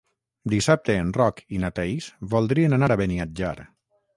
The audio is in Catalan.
Dissabte en Roc i na Thaís voldrien anar a Beniatjar.